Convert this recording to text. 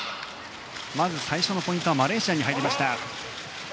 まず最初のポイントはマレーシアに入りました。